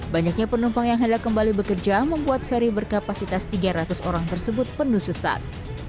banyaknya penumpang yang hendak kembali bekerja membuat feri berkapasitas tiga ratus orang tersebut penuh sesat